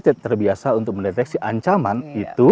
tidak terbiasa untuk mendeteksi ancaman itu